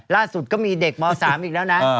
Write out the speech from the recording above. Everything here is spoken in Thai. ล่าสุดก็มีเด็กม๓อีกแล้วนะ